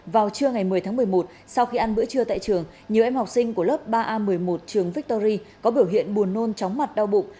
vào trưa ngày một mươi tháng một mươi một sau khi ăn bữa trưa tại trường nhiều em học sinh của lớp ba a một mươi một trường victory có biểu hiện buồn nôn chóng mặt đau bụng